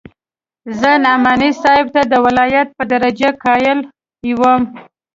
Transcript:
زه نعماني صاحب ته د ولايت په درجه قايل وم.